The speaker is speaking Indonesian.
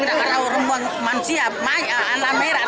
ada orang orang manusia anak merah anak merah